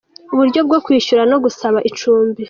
Uburyo bwo kwishyura no gusaba icumbi .